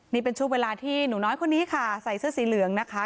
นี่เป็นช่วงเวลาที่หนูน้อยคนนี้ค่ะใส่เสื้อสีเหลืองนะคะ